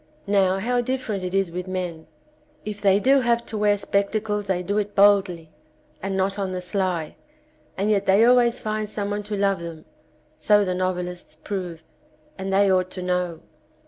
Now how different it is with men. If they do have to wear spectacles they do it boldly, and not on the sly, and yet they always find some one to love them, so the novelists prove, and they ought to know.